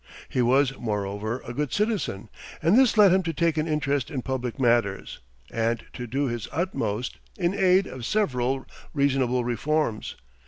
He was, moreover, a good citizen, and this led him to take an interest in public matters, and to do his utmost in aid of several reasonable reforms.